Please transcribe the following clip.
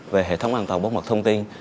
về hệ thống an toàn bỏ mặt thông tin